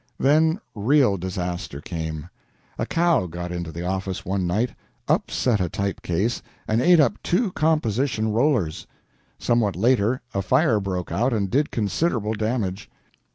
Then real disaster came. A cow got into the office one night, upset a type case, and ate up two composition rollers. Somewhat later a fire broke out and did considerable damage.